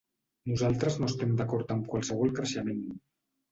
Nosaltres no estem d’acord amb qualsevol creixement.